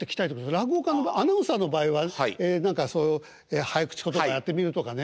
落語家の場合アナウンサーの場合は早口言葉やってみるとかね。